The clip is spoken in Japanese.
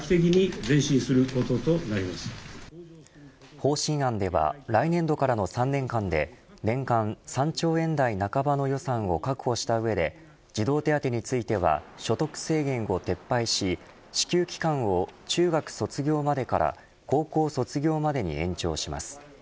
方針案では来年度からの３年間で年間３兆円台半ばの予算を確保した上で児童手当については所得制限を撤廃し支給期間を中学卒業までから高校卒業までに延長します。